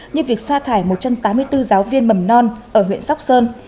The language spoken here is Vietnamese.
như việc sa thải một trăm tám mươi bốn giáo viên mầm non ở huyện sóc sơn